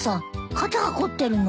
肩が凝ってるの？